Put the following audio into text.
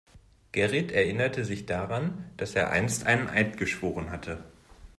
Gerrit erinnerte sich daran, dass er einst einen Eid geschworen hatte.